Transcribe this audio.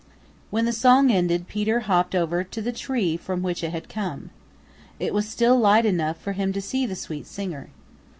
When the song ended Peter hopped over to the tree from which it had come. It was still light enough for him to see the sweet singer.